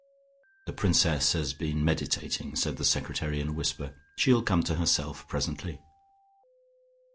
"The Princess has been meditating," said the secretary in a whisper. "She'll come to herself presently."